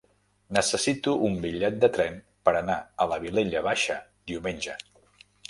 Necessito un bitllet de tren per anar a la Vilella Baixa diumenge.